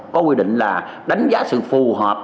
có quy định là đánh giá sự phù hợp